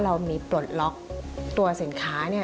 เรามีปลดล็อคตัวสินค้า